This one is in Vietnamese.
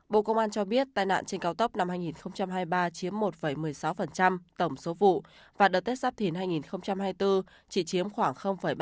bộ công an cho biết tai nạn trên cao tốc năm hai nghìn hai mươi ba chiếm một một mươi sáu tổng số vụ và đợt tết sắp thìn hai nghìn hai mươi bốn chỉ chiếm khoảng ba mươi ba